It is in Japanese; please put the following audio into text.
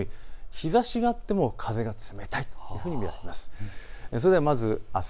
日ざしがあっても風が冷たいというふうに見られます。